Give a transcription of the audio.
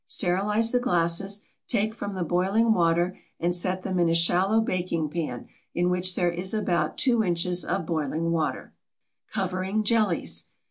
Sterilize the glasses; take from the boiling water and set them in a shallow baking pan in which there is about 2 inches of boiling water. COVERING JELLIES.